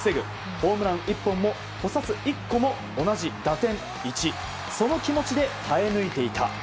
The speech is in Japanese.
ホームラン１本も補殺１個も同じ打点１その気持ちで耐え抜いていた。